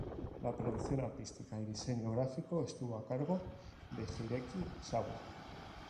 La producción artística y diseño gráfico estuvo a cargo de Hideki Sawa.